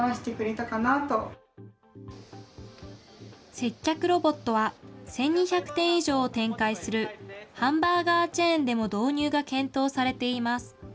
接客ロボットは、１２００店以上を展開するハンバーガーチェーンでも導入が検討されています。